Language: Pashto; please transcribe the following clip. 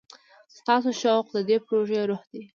ستاسو شوق د دې پروژې روح دی.